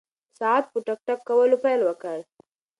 ساعت په ټک ټک کولو پیل وکړ.